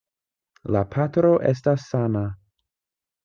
La patro estas sana.